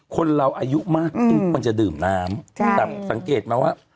คนเราอายุมากขึ้นควรจะดื่มน้ำแต่สังเกตไหมว่า